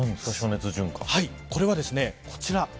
これは、こちら。